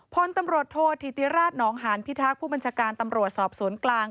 พลตำรวจโทษธิติราชนองหานพิทักษ์ผู้บัญชาการตำรวจสอบสวนกลาง